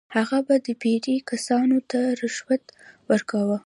هغه به د پیرې کسانو ته رشوت ورکاوه.